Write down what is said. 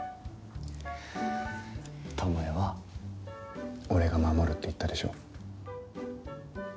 巴は俺が守るって言ったでしょ。